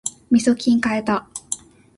みそきん買えた